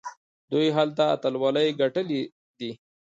دوی هلته اتلولۍ ګټلي دي.